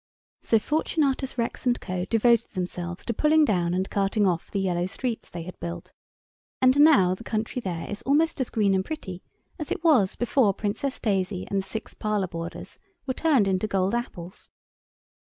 So Fortunatus Rex & Co. devoted themselves to pulling down and carting off the yellow streets they had built. And now the country there is almost as green and pretty as it was before Princess Daisy and the six parlour boarders were turned into gold apples.